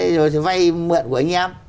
rồi vay mượn của anh em